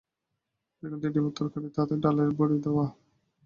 বেগুন দিয়ে ডিমের তরকারি, তাতে ডালের বড়ি দেওয়া!